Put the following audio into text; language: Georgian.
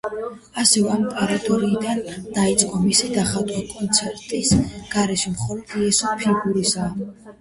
ასევე ამ პერიოდიდან დაიწყო მისი დახატვა კონტექსტის გარეშე, მხოლოდ იესოს ფიგურისა.